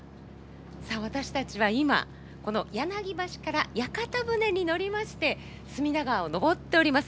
さあ私たちは今この柳橋から屋形船に乗りまして隅田川を上っております。